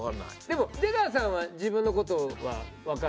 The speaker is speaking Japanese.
でも出川さんは自分の事はわかる？